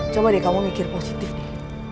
coba deh kamu mikir positif deh